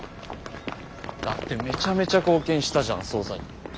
だってめちゃめちゃ貢献したじゃん捜査に。